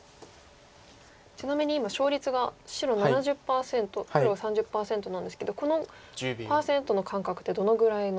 ちなみに今勝率が白７０％黒は３０％なんですけどこのパーセントの感覚ってどのぐらいの？